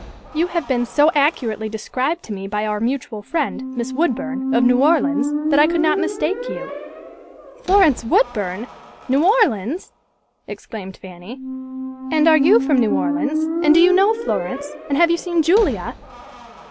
"You have been so accurately described to me by our mutual friend Miss Woodburn, of New Orleans, that I could not mistake you." "Florence Woodburn! New Orleans!" exclaimed Fanny. "And are you from New Orleans, and do you know Florence, and have you seen Julia?"